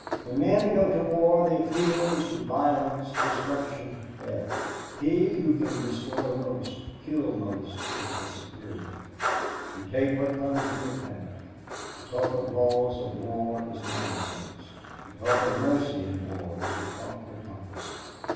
"When men go to war the appeal is to violence, destruction, death. He who can destroy most, kill most, is the superior. You take what comes in your path. To talk of laws of war is nonsense. To talk of mercy in war is to talk hypocrisy.